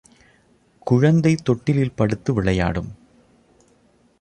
குழந்தை தொட்டிலில் படுத்து விளையாடும்.